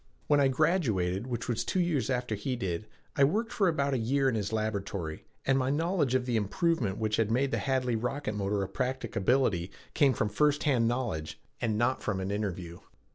When I graduated, which was two years after he did, I worked for about a year in his laboratory, and my knowledge of the improvement which had made the Hadley rocket motor a practicability came from first hand knowledge and not from an interview.